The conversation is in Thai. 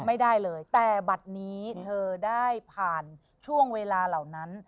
ไม่ได้เลยแต่บัตรนี้เธอได้ผ่านช่วงเวลาเหล่านั้น